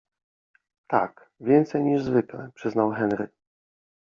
- Tak, więcej niż zwykle - przyznał Henry.